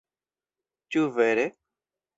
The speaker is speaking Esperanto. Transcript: Ĉu vere?!